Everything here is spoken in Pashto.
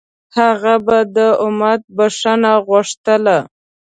هغه به د امت بښنه غوښتله.